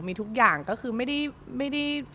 มีทุกอย่างก็คือไม่ได้